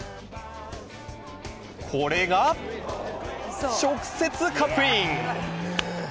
これが、直接カップイン。